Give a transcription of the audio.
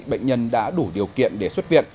bệnh nhân đã đủ điều kiện để xuất viện